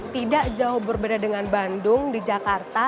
tidak jauh berbeda dengan bandung di jakarta